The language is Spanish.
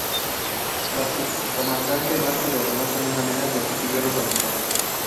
El Subcomandante Marcos lo tomo como una amenaza, así que ya no contestó.